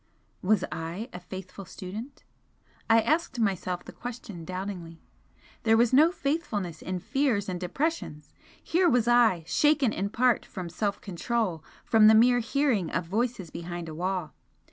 Was I 'a faithful student'? I asked myself the question doubtingly. There was no 'faithfulness' in fears and depressions! Here was I, shaken in part from self control from the mere hearing of voices behind a wall!